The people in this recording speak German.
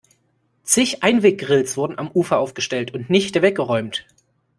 Zig Einweggrills wurden am Ufer aufgestellt und nicht weggeräumt.